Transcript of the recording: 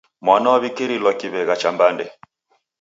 Mwana walikirilwa kiw'egha cha mbande.